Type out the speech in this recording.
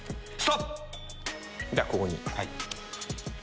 じゃあここに。